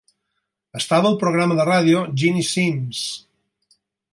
Estava al programa de ràdio Ginny Simms.